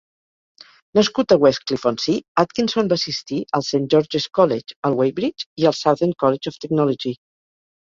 Nascut a Westcliff-on-Sea, Atkinson va assistir al Saint George's College, al Weybridge i al Southend College of Technology.